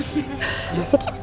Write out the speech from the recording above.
kita masuk ya